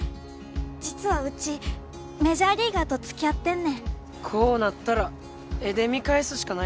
実はうちメジャーリーガーとつきあってんねんこうなったら絵で見返すしかないなマキト